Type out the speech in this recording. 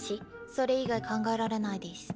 それ以外考えられないデス。